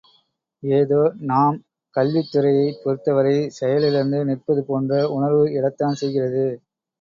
ஏதோ நாம் கல்வித் துறையைப் பொருத்தவரை செயலிழந்து நிற்பது போன்ற உணர்வு எழத்தான் செய்கிறது.